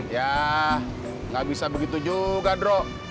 ya nggak bisa begitu juga dro